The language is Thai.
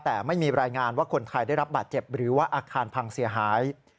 แต่ไม่มีรายงานว่าคนไทยได้รับบาดเจ็บหรือว่าอาคารพังเสียหาย